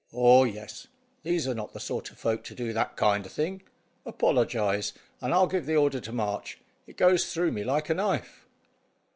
"Oh, yes! These are not the sort o' folk to do that kind o' thing. Apologise, and I'll give the order to march. It goes through me like a knife."